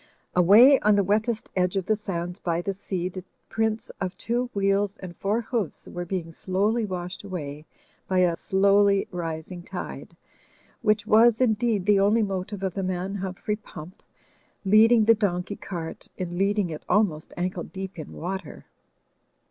Away on the wettest edge of the sands by the sea the prints of two wheels and four hoofs were being slowly washed away by a slowly rising tide; which was, in deed, the only motive of the man Humphrey Pump, leading the donkey cart, in leading it almost ankle deep in water.